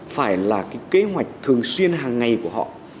phải là cái kế hoạch thường xuyên hàng ngày của họ